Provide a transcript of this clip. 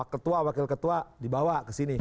ketua wakil ketua dibawa kesini